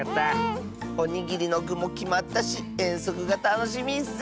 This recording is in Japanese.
おにぎりのぐもきまったしえんそくがたのしみッス。